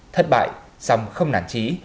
thất bại xong không nản trí